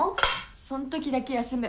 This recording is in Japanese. そん時だけ休む。